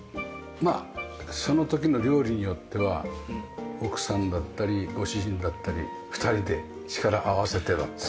まあその時の料理によっては奥さんだったりご主人だったり２人で力合わせてだったり。